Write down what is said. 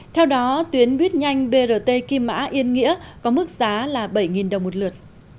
theo đó tuyến buýt nhanh brt kim mã yên nghĩa có mức giá là bảy đồng một lượt